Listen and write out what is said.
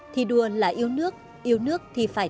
thi đua là yêu nước